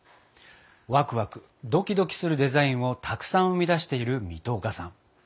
ワクワクドキドキするデザインをたくさん生み出している水戸岡さん。